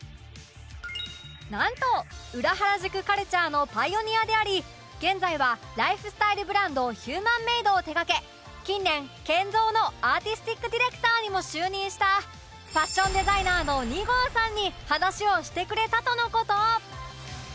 なんと裏原宿カルチャーのパイオニアであり現在はライフスタイルブランド ＨＵＭＡＮＭＡＤＥ を手がけ近年 ＫＥＮＺＯ のアーティスティックディレクターにも就任したファッションデザイナーの ＮＩＧＯ さんに話をしてくれたとの事！